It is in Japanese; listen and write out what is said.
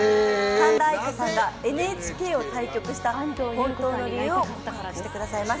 神田愛花さんがＮＨＫを退局した本当の理由を告白してくださいます。